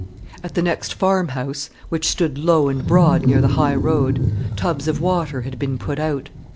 At the next farm house, which stood low and broad near the high road, tubs of water had been put out.